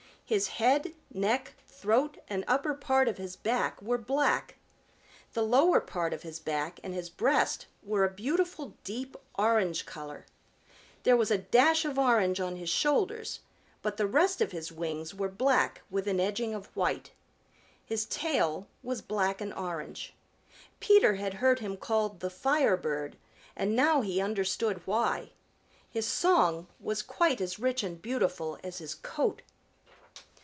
His head, neck, throat and upper part of his back were black. The lower part of his back and his breast were a beautiful deep orange color. There was a dash of orange on his shoulders, but the rest of his wings were black with an edging of white. His tail was black and orange. Peter had heard him called the Firebird, and now he understood why. His song was quite as rich and beautiful as his coat.